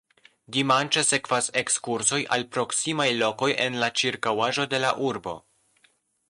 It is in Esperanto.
Dimanĉe sekvas ekskursoj al proksimaj lokoj en la ĉirkaŭaĵo de la urbo.